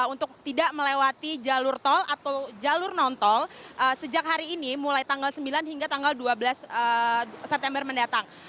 untuk tidak melewati jalur tol atau jalur non tol sejak hari ini mulai tanggal sembilan hingga tanggal dua belas september mendatang